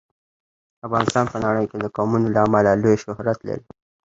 افغانستان په نړۍ کې د قومونه له امله لوی شهرت لري.